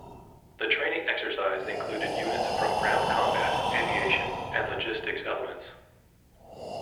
The training exercise included units from ground combat, aviation and logistics elements.